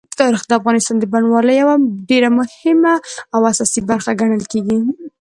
تاریخ د افغانستان د بڼوالۍ یوه ډېره مهمه او اساسي برخه ګڼل کېږي.